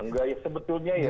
enggak ya sebetulnya ya